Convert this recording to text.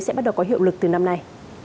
sẽ bắt đầu có hiệu lực từ năm nay